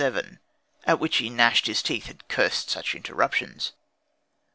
377," at which he gnashed his teeth and cursed such interruptions.